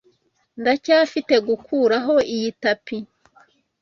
Ndacyafite gukuraho iyi tapi.